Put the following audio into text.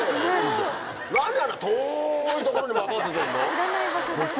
知らない場所で。